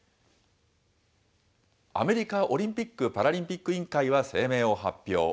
アメリカオリンピック・パラリンピック委員会は声明を発表。